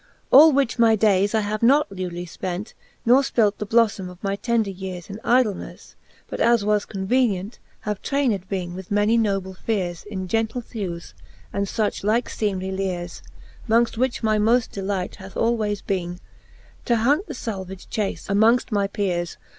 XXXI. AH which my daies I have not lewdly fpent, Nor Ipilt the bloilbme of my tender yeares In ydlelle, but, as was convenient, Have trayned bene with many noble feres In gentle thewes, and fiich like (ecmely leres. Mongft which my moft delight hath alwaies been, To hunt the falvage chace amongfl: my peres.